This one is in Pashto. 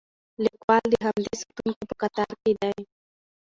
لیکوال د همدې ساتونکو په کتار کې دی.